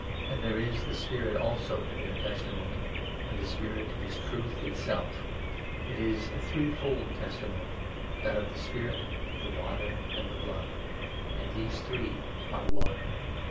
And there is the Spirit also to bear testimony, and the Spirit is Truth itself. It is a three fold testimony— that of the Spirit, 8 the Water, and the Blood — and these three are at one.